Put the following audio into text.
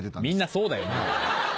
みんなそうだよ。